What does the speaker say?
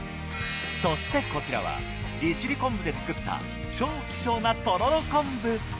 そしてこちらは利尻昆布で作った超希少なとろろ昆布。